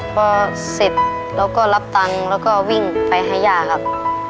พอเสร็จเราก็รับตังค์แล้วก็วิ่งไปหาย่าครับ